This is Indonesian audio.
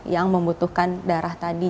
yang membutuhkan darah tadi